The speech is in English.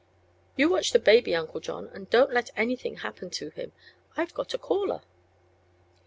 " You watch the baby, Uncle John, and don't let anything happen to him. I've got a caller."